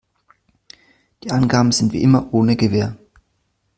Die Angaben sind wie immer ohne Gewähr.